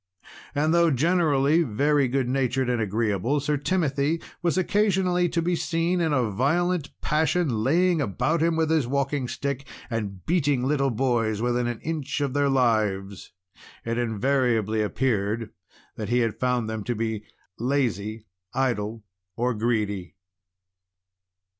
And though generally very good natured and agreeable, Sir Timothy was occasionally to be seen in a violent passion, laying around him with his walking stick, and beating little boys within an inch of their lives. It invariably appeared that he had found them to be lazy, idle, or greedy.